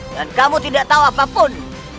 dan kamu tidak tahu apapun